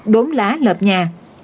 đốn lá lợp nhà